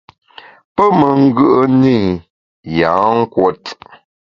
Pe me ngùe’ne i yâ nkùot.